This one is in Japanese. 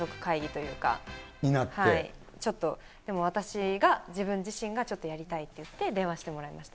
ちょっと、でも私が、自分自身がちょっとやりたいって言って、電話してもらいました。